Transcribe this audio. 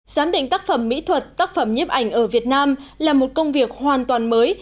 giám định tác phẩm mỹ thuật tác phẩm nhiếp ảnh ở việt nam là một công việc hoàn toàn mới